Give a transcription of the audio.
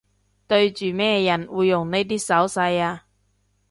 對住咩人會用呢啲手勢吖